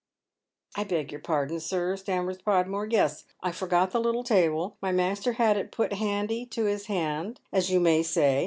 " I beg your pardon, sir," stammers Podmore. " Yes, I forgot the little table ; my master had it put handy to his hand, as you may say.